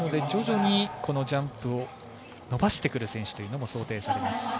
徐々に、このジャンプを伸ばしてくる選手というのも想定されます。